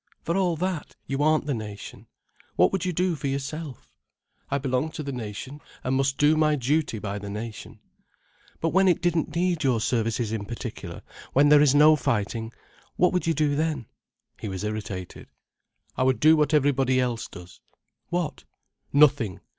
"For all that, you aren't the nation. What would you do for yourself?" "I belong to the nation and must do my duty by the nation." "But when it didn't need your services in particular—when there is no fighting? What would you do then?" He was irritated. "I would do what everybody else does." "What?" "Nothing.